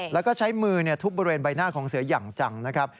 แล้วก็ใช้มือทุบบริเวณใบหน้าของเสืออย่างจังนะครับ